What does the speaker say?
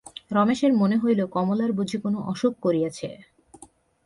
রমেশের মনে হইল, কমলার বুঝি কোনো অসুখ করিয়াছে।